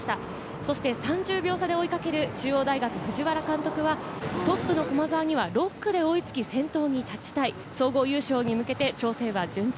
そして３０秒差で追いかける中央大学・藤原監督はトップの駒澤には６区で追いつき先頭に立ちたい、総合優勝に向けて調整は順調。